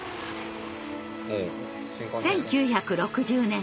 １９６０年